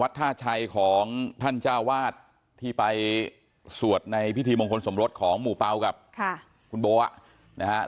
ท่าชัยของท่านเจ้าวาดที่ไปสวดในพิธีมงคลสมรสของหมู่เปล่ากับคุณโบนะฮะ